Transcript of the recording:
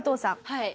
はい。